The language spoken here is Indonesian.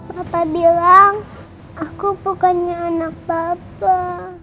bapak bilang aku bukannya anak papa